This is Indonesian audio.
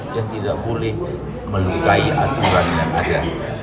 yang tidak boleh melukai aturan yang ada